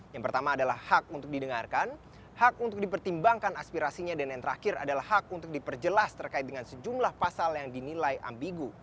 yang pertama adalah hak untuk didengarkan hak untuk dipertimbangkan aspirasinya dan yang terakhir adalah hak untuk diperjelas terkait dengan sejumlah pasal yang dinilai ambigu